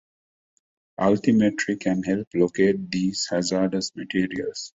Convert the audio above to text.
Altimetry can help locate these hazardous materials.